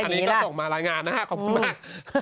อันนี้ก็ส่งมารายงานนะฮะขอบคุณมาก